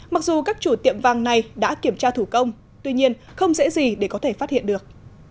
mặc dù các chủ tiệm vàng này đã kiểm tra thủ công tuy nhiên không dễ gì để có thể phát hiện được